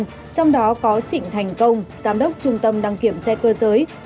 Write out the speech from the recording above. trong đó có trịnh thành công giám đốc trung tâm đăng kiểm xe cơ giới hai nghìn tám trăm linh một s